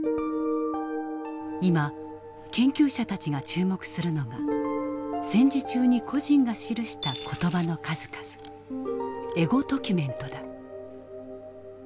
今研究者たちが注目するのが戦時中に個人が記した言葉の数々エゴドキュメントだ。